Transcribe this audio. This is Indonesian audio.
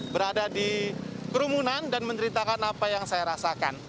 berada di kerumunan dan menceritakan apa yang saya rasakan